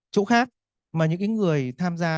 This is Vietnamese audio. chỗ khác mà những cái người tham gia